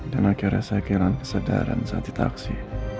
dan akhirnya saya kehilangan kesedaran saat di taksi